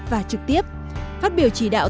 và trực tiếp phát biểu chỉ đạo